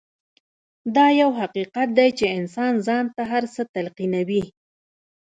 دا يو حقيقت دی چې انسان ځان ته هر څه تلقينوي.